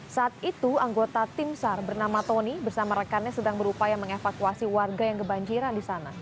saat itu anggota tim sar bernama tony bersama rekannya sedang berupaya mengevakuasi warga yang kebanjiran di sana